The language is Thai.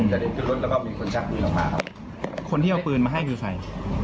จะเดินขึ้นรถแล้วก็มีคนชักปืนออกมาครับคนที่เอาปืนมาให้คือใคร